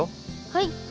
はい。